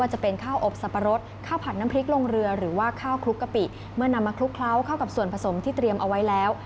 หากสร้างโดยส่วนผสมที่ที่เตรียมเอาไว้แล้ว